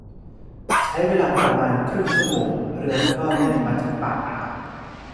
ใช้เวลาประมาณครึ่งชั่วโมงเรือก็แล่นมาถึงปากอ่าว